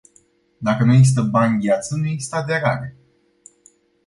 Dacă nu există bani gheață, nu există aderare.